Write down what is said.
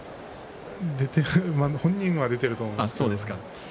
本人は出ていると思いますけどね。